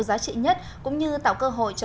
giá trị nhất cũng như tạo cơ hội cho